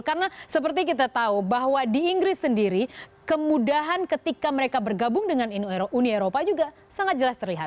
karena seperti kita tahu bahwa di inggris sendiri kemudahan ketika mereka bergabung dengan uni eropa juga sangat jelas terlihat